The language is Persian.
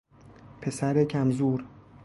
پسر کم زور